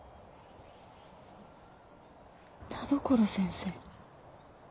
田所先生。